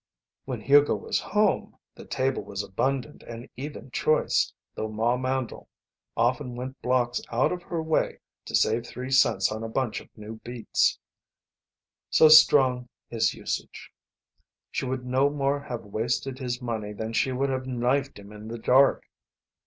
When Hugo was home the table was abundant and even choice, though Ma Mandle often went blocks out of her way to save three cents on a bunch of new beets. So strong is usage. She would no more have wasted his money than she would have knifed him in the dark.